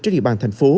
trên địa bàn thành phố